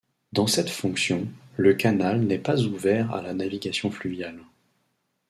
Dans cette fonction, le canal n'est pas ouvert à la navigation fluviale.